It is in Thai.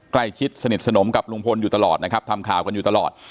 ใกล้ชิดสนิทสนมกับลุงพลอยู่ตลอดนะครับทำข่าวกันอยู่ตลอด